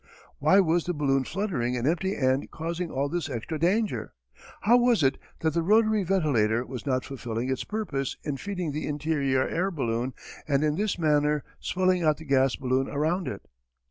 Why was the balloon fluttering an empty end causing all this extra danger? How was it that the rotary ventilator was not fulfilling its purpose in feeding the interior air balloon and in this manner swelling out the gas balloon around it?